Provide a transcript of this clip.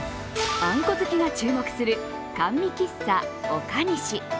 あんこ好きが注目する甘味喫茶、岡西。